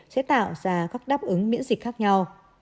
sẽ tạo ra các đáp ứng miễn dịch khác nhau